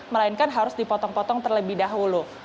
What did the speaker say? melainkan harus dipotong potong terlebih dahulu